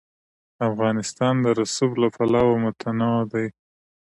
افغانستان د رسوب له پلوه متنوع دی.